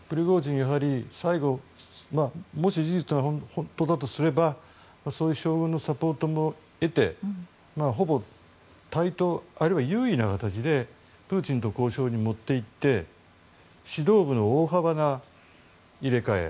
最後、事実だとすればそういう将軍のサポートも得てほぼ対等、あるいは優位な形でプーチンと交渉に持っていって指導部の大幅な入れ替え。